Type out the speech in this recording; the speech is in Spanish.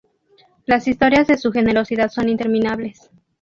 Las historias de su generosidad son interminables.